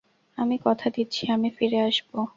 আমি কথা দিচ্ছি আমি ফিরে আসব।